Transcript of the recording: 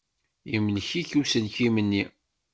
Imlek-ik uselkim-nni.